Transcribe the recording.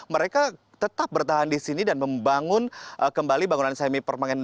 mereka tetap bertahan di sini dan membangun kembali bangunan semi permanen